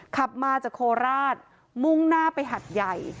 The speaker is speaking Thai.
ขับมาจากโคราชมุ่งหน้าไปหัดใหญ่